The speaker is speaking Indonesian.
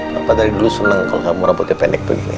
papa tadi dulu seneng kalo kamu rambutnya pendek begini